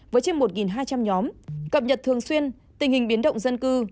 với trên một hai trăm linh nhóm cập nhật thường xuyên tình hình biến động dân cư